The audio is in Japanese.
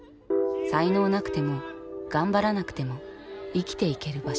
才能なくても頑張らなくても生きていける場所。